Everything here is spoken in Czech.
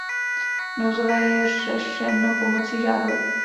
Nouzové je řešeno pomocí žárovek.